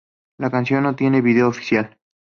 La canción no tiene video oficial.